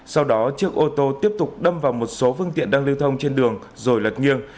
sau đó chiếc ô tô tiếp tục đâm vào một số phương tiện đang lưu thông trên đường rồi lật nghiêng